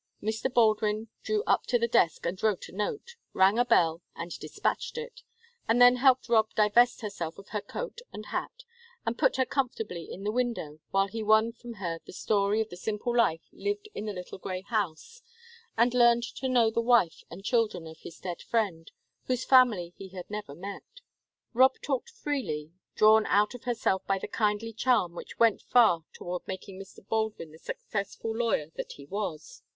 Mr. Baldwin drew up to the desk and wrote a note, rang a bell, and dispatched it, and then helped Rob divest herself of her coat and hat, and put her comfortably in the window while he won from her the story of the simple life lived in the little grey house, and learned to know the wife and children of his dead friend, whose family he had never met. Rob talked freely, drawn out of herself by the kindly charm which went far toward making Mr. Baldwin the successful lawyer that he was.